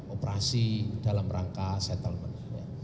operasi dalam rangka settlement